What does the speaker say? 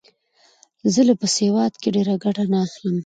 زه له په سواد کښي ډېره ګټه نه اخلم.